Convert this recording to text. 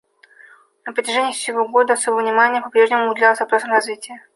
На протяжении всего года особое внимание по прежнему уделялось вопросам развития.